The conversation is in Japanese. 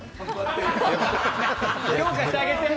評価してあげて！